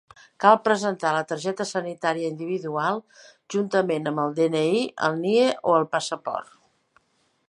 Cal presentar la targeta sanitària individual, juntament amb el DNI, el NIE o el passaport.